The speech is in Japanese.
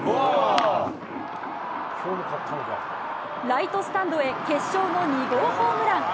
ライトスタンドへ、決勝の２号ホームラン。